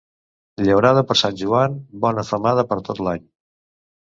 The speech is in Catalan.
Llaurada per Sant Joan, bona femada per tot l'any.